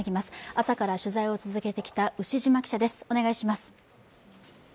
朝から取材を続けてきた牛島記者です、お願いします。